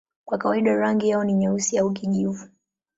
Kwa kawaida rangi yao ni nyeusi au kijivu.